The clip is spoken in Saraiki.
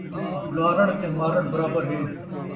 اُلارݨ تے مارݨ برابر ہے